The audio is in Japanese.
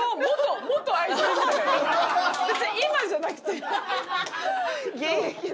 別に今じゃなくて。現役の。